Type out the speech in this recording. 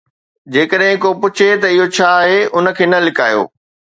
جيڪڏهن ڪو پڇي ته اهو ڇا آهي، ان کي نه لڪايو